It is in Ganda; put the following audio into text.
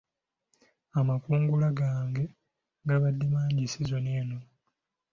Amakungula gange gabadde mangi sizoni eno.